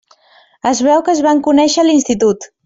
Es veu que es van conèixer a l'institut.